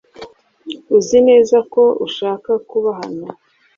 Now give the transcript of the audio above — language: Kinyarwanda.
Uzi neza ko ushaka kuba hano?